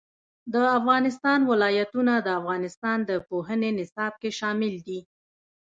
د افغانستان ولايتونه د افغانستان د پوهنې نصاب کې شامل دي.